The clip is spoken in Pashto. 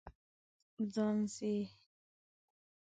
خانزي